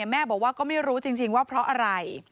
แม่บอกว่าก็ไม่รู้จริงว่าเพราะอะไร